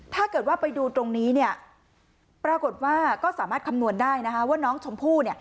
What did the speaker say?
ถ้าเกิดว่าไปดูตรงนี้ปรากฏว่าก็สามารถคำนวณได้นะคะว่าน้องชมพู่